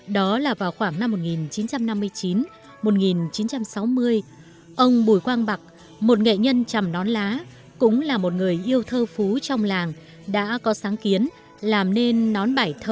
đó là vào khoảng năm một nghìn chín trăm năm mươi chín một nghìn chín trăm sáu mươi ông bùi quang bạc một nghệ nhân chầm nón lá cũng là một người yêu thơ phú trong làng đã có sáng kiến làm nên nón bài thơ